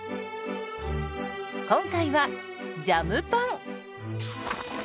今回はジャムパン。